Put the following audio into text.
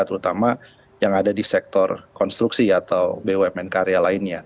terutama yang ada di sektor konstruksi atau bumn karya lainnya